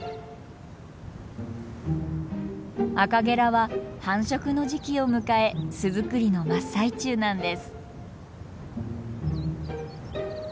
アカゲラは繁殖の時期を迎え巣づくりの真っ最中なんです。